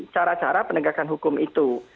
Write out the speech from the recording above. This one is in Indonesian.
cara cara penegakan hukum itu